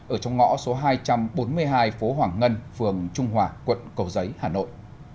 ở trong ngõ số hai trăm bốn mươi hai phố hoàng ngân phường trung hòa quận cầu giấy hà nội